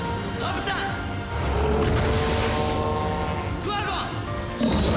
クワゴン！